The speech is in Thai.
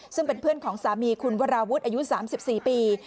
ซึ่งเป็นเพื่อนของสามีคุณวราวุฒิอายุ๓๔ปี